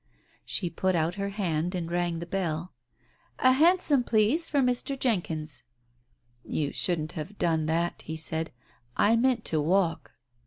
She put out her hand and rang the bell. "A hansom, please, for Mr. Jenkyns." "You shouldn't have done that," he said. "I meant to walk."